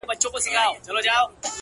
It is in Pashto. تا په لڅه سينه ټوله زړونه وړي!!